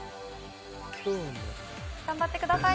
頑張ってください。